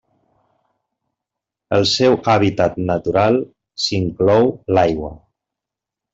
El seu hàbitat natural s'inclou l'aigua.